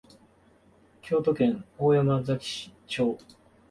京都府大山崎町